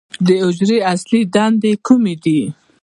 د حجرې اصلي دندې کومې دي؟